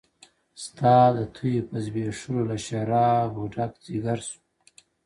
ستا د تیو په زبېښلو له شرابو ډک ځيگر سو-